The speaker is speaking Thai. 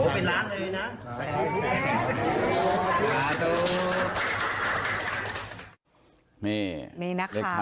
โหเป็นล้านเลยนะ